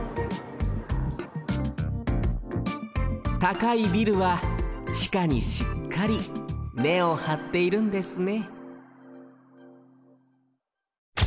たかいビルはちかにしっかり根をはっているんですね